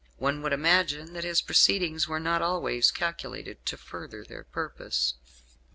One would imagine that his proceedings were not always calculated to further their purpose.